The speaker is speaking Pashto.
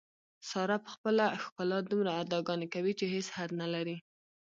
ساره په خپله ښکلا دومره اداګانې کوي، چې هېڅ حد نه لري.